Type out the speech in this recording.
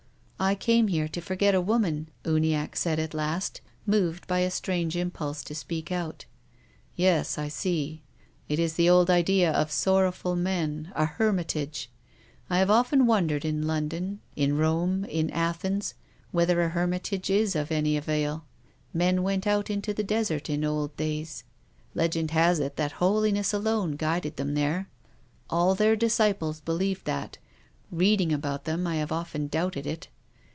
" I came here to forget a woman," Uniackesaid at last, moved by a strange impulse to speak out. "Yes, I see. It is the old idea of sorrowful men, a hermitage. I have often wondered in Lon don, in Rome, in Athens, whether a hermitage is of any avail. Men went out into the desert in old days. Legend has it that holiness alone guided them there. All their disciples believed that. Reading about them I have often doubted it."